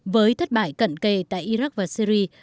với thất bại cận kề tại iraq và syria